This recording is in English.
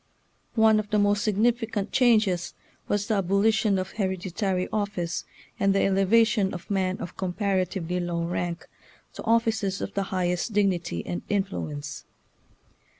One of the most significant changes was the abolition of hereditary office, and the elevation of men of comparatively low rank to offices of the highest dignity and influence.